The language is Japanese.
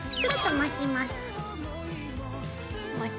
巻きます。